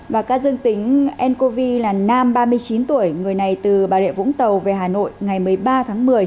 và ca dương tính ncov là nam ba mươi chín tuổi người này từ bà rịa vũng tàu về hà nội ngày một mươi ba tháng một mươi